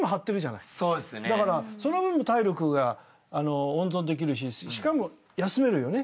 その分体力が温存できるししかも休めるよね。